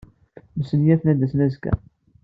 Smenyafen ad d-asen azekka.